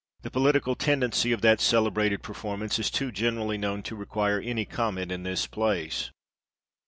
political tendency of that celebrated performance is too generally known to require any comment in this place.